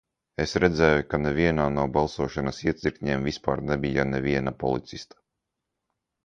Es redzēju, ka nevienā no balsošanas iecirkņiem vispār nebija neviena policista.